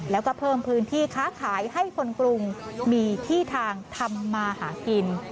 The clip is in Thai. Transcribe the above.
แล้วก็เพิ่มพื้นที่ค้าขายให้คนกรุงมีที่ทางทำมาหากิน